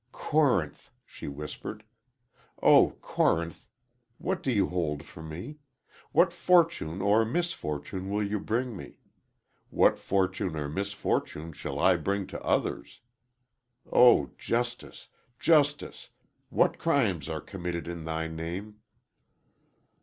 "Corinth," she whispered, "Oh, Corinth, what do you hold for me? What fortune or misfortune will you bring me? What fortune or misfortune shall I bring to others? Oh, Justice, Justice, what crimes are committed in thy name!"